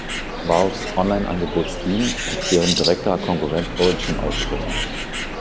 Valves Onlineangebot Steam, als deren direkter Konkurrent Origin auftritt.